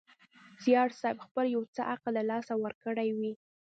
زیارصېب خپل یو څه عقل له لاسه ورکړی وي.